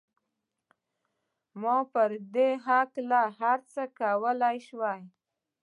ما په دې هکله څه کولای شول؟